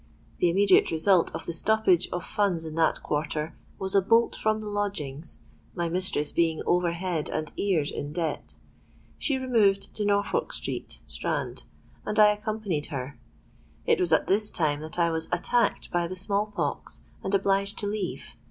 The immediate result of the stoppage of funds in that quarter was a bolt from the lodgings, my mistress being over head and ears in debt. She removed to Norfolk Street, Strand: and I accompanied her. It was at this time that I was attacked by the small pox, and obliged to leave.